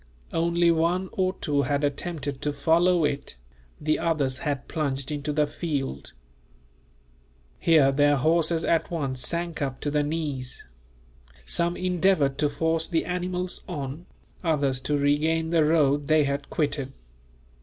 Only one or two had attempted to follow it, the others had plunged into the field. Here their horses at once sank up to the knees. Some endeavoured to force the animals on, others to regain the road they had quitted.